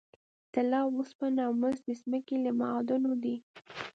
طلا، اوسپنه او مس د ځمکې له معادنو دي.